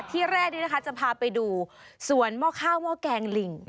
ที่แรกนี้นะคะจะพาไปดูสวนหม้อข้าวหม้อแกงลิง